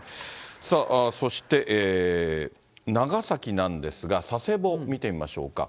さあ、そして長崎なんですが、佐世保見てみましょうか。